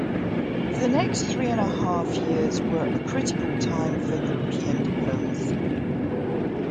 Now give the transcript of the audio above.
The next three and a half years were a critical time for European diplomacy.